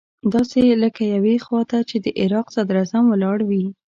داسې لکه يوې خوا ته چې د عراق صدراعظم ولاړ وي.